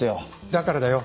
だからだよ